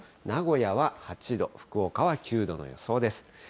名古屋は８度、福岡は９度の予想です。